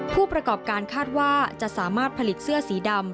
ผู้ประกอบการคาดว่าจะสามารถผลิตเสื้อสีดำ